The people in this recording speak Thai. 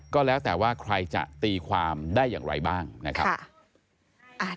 ก็แล้วแต่ว่าใครจะตีความได้อย่างไรบ้างนะครับ